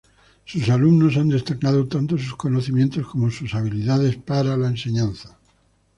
Sus alumnos han destacado tanto sus conocimientos, como sus habilidades para la enseñanza.